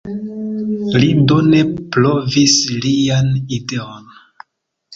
Li do ne provis lian ideon.